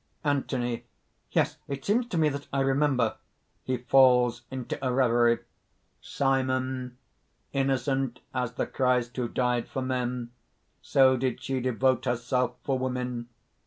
ANTHONY. "Yes ... it seems to me that I remember...." (He falls into a reverie.) SIMON. "Innocent as the Christ who died for men, so did she devote herself for women.